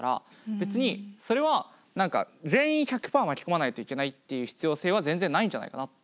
別にそれは何か全員１００％巻き込まないといけないっていう必要性は全然ないんじゃないかなって。